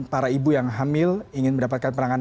para ibu yang hamil ingin mendapatkan perangan